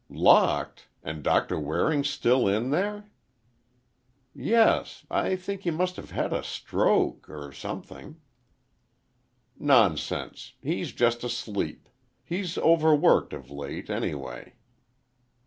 "Locked! And Doctor Waring still in there?" "Yes; I think he must have had a stroke—or, something—" "Nonsense! He's just asleep. He's overworked of late, anyway."